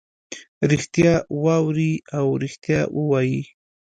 ریښتیا واوري او ریښتیا ووایي.